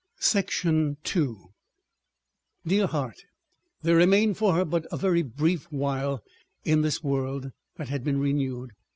...§ 2 Dear heart! There remained for her but a very brief while in this world that had been renewed.